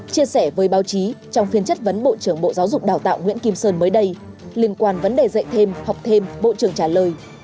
chia sẻ với báo chí trong phiên chất vấn bộ trưởng bộ giáo dục đào tạo nguyễn kim sơn mới đây liên quan vấn đề dạy thêm học thêm bộ trưởng trả lời